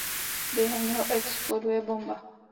Během něho exploduje bomba.